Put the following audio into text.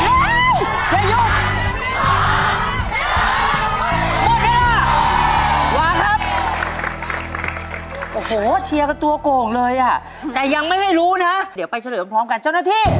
หมดเวลาวงครับก็โอ้โห้เชียร์กับตัวโกหกเลยอ่ะใจยังไม่ให้รู้นะเดี๋ยวไปเฉลี่ยอยู่พร้อมกันเจ้าหน้าที่